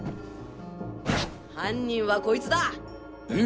犯人はこいつだ！え！？